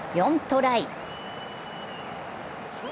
４トライ。